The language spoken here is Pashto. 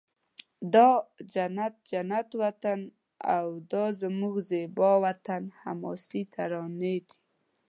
دا جنت جنت وطن او دا زموږ زیبا وطن حماسې ترانې دي